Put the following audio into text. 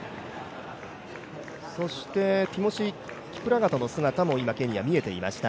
そしてティモシー・キプラガトの姿も今、ケニア見えてきました。